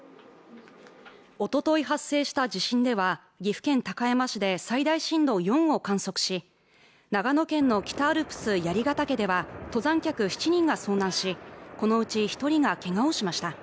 おととい発生した地震では岐阜県高山市で最大震度４を観測し長野県の北アルプス槍ヶ岳では登山客７人が遭難しこのうち一人がけがをしました